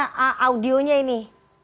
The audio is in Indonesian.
dan audionya ini